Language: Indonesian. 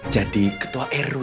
jadi ketua rw